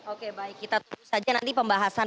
oke baik kita tunggu saja nanti pembahasan